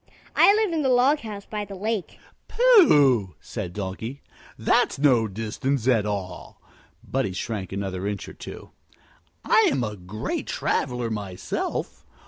"I live in the log house by the lake." "Pooh!" said the Donkey. "That's no distance at all." Buddie shrank another inch or two. "I'm a great traveler myself.